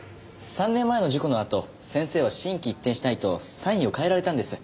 ３年前の事故のあと先生は心機一転したいとサインを変えられたんです。